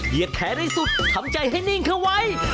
แขนให้สุดทำใจให้นิ่งเข้าไว้